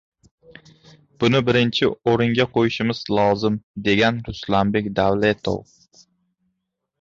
Buni birinchi o‘ringa qo‘yishimiz lozim”, — degan Ruslanbek Davletov.